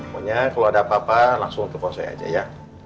pokoknya kalau ada apa apa langsung ke polsek aja ya